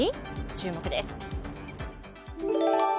注目です。